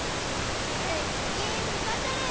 クッキンバトル！